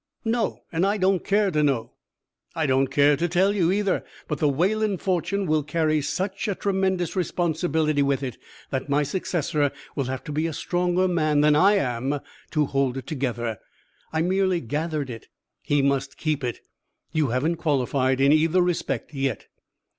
"No, and I don't care to know." "I don't care to tell you either, but the Wayland fortune will carry such a tremendous responsibility with it that my successor will have to be a stronger man than I am to hold it together. I merely gathered it; he must keep it. You haven't qualified in either respect yet."